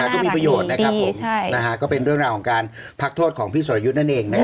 ก็มีประโยชน์นะครับผมก็เป็นเรื่องราวของการพักโทษของพี่สอรยุทธ์นั่นเองนะครับ